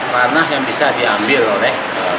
ranah yang bisa diambil oleh